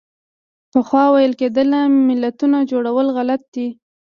پخوا ویل کېدل ملتونو جوړول غلط دي.